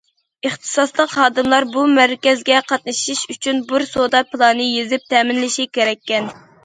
ئىختىساسلىق خادىملار بۇ مەركەزگە قاتنىشىش ئۈچۈن بىر سودا پىلانى يېزىپ تەمىنلىشى كېرەككەن.